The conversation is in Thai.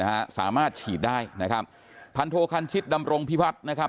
ฮะสามารถฉีดได้นะครับพันโทคันชิตดำรงพิพัฒน์นะครับ